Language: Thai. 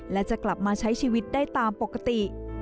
และจะกลับมาใช้ชีวิตได้ตามปกติ